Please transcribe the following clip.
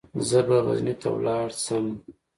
زه به غزني ته ولاړ شم.